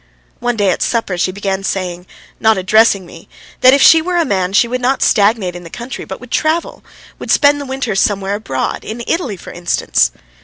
One day at supper she began saying, not addressing me, that if she were a man she would not stagnate in the country, but would travel, would spend the winter somewhere aboard in Italy, for instance.